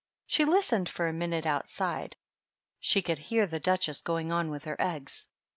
She listened for a minute outside ; she could hear the Duchess going on with her eggs.